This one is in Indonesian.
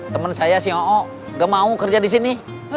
temen saya si oo gak mau kerja di sini